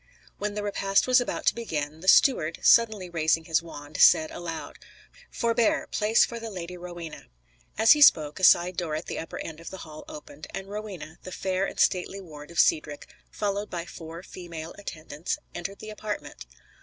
When the repast was about to begin, the steward, suddenly raising his wand, said aloud: "Forbear! Place for the Lady Rowena." As he spoke a side door at the upper end of the hall opened, and Rowena, the fair and stately ward of Cedric, followed by four female attendants, entered the apartment.